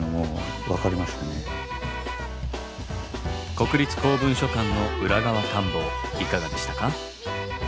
国立公文書館の裏側探訪いかがでしたか？